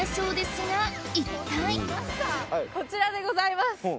こちらでございます。